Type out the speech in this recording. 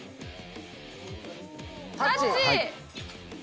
タッチ！